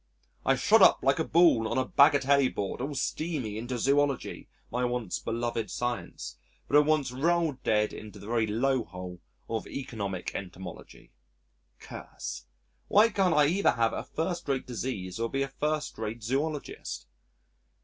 I shot up like a ball on a bagatelle board all steamy into zoology (my once beloved science) but at once rolled dead into the very low hole of Economic Entomology! Curse.... Why can't I either have a first rate disease or be a first rate zoologist?